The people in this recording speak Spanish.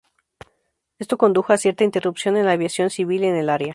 Esto condujo a cierta interrupción en la aviación civil en el área.